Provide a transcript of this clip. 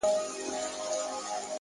• بس هغه ده چي مي مور کیسه کوله ,